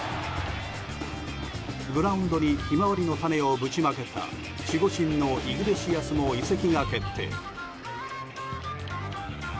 グラウンドにヒマワリの種をぶちまけた守護神のイグレシアスも移籍が決定。